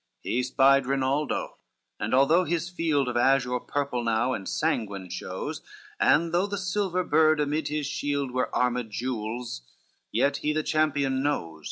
CXIII He spied Rinaldo, and although his field Of azure purple now and sanguine shows, And though the silver bird amid his shield Were armed gules; yet he the champion knows.